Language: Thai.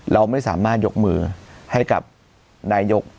เราไม่สามารถยกมือให้กับนายก